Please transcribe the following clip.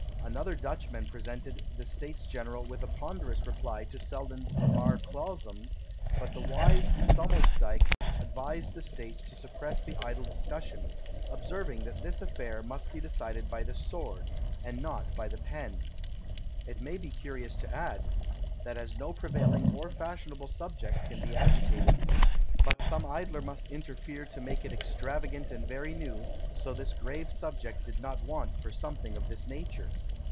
Another Dutchman presented the States General with a ponderous reply to Selden's Mare Clausum, but the wise Sommelsdyke advised the States to suppress the idle discussion; observing that this affair must be decided by the sword, and not by the pen. It may be curious to add, that as no prevailing or fashionable subject can be agitated, but some idler must interfere to make it extravagant and very new, so this grave subject did not want for something of this nature.